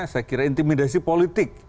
saya kira intimidasi politik